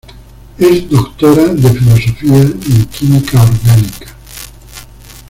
Es doctora de filosofía en química orgánica.